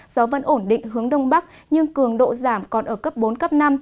gió vẫn ổn định hướng đông bắc nhưng cường độ giảm còn ở cấp bốn cấp năm